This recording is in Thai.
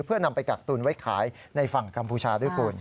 เพื่อนำไปกักตุนไว้ขายในฝั่งกัมพูชาด้วยคุณ